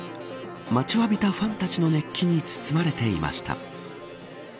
待ちわびたファンたちの熱気に包まれていました。